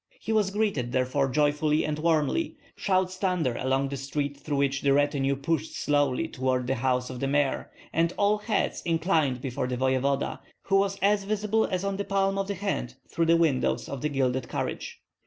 He was greeted therefore joyfully and warmly; shouts thundered along the street through which the retinue pushed slowly toward the house of the mayor, and all heads inclined before the voevoda, who was as visible as on the palm of the hand through the windows of the gilded carriage.